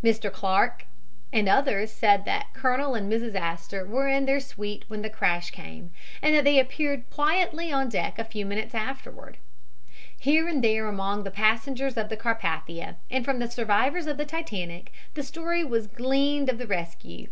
Mr. Clark and others said that Colonel and Mrs. Astor were in their suite when the crash came, and that they appeared quietly on deck a few minutes afterward. Here and there among the passengers of the Carpathia and from the survivors of the Titanic the story was gleaned of the rescue.